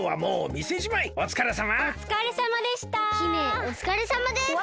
おつかれさまでした！